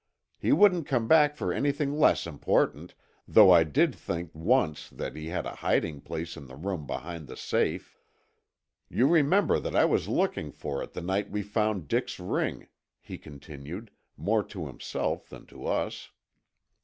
He wouldn't come back for anything less important, though I did think once that he had a hiding place in the room behind the safe. You remember that I was looking for it the night we found Dick's ring," he continued, more to himself than to us.